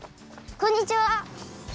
こんにちは！